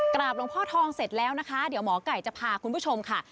หลวงพ่อทองเสร็จแล้วนะคะเดี๋ยวหมอไก่จะพาคุณผู้ชมค่ะ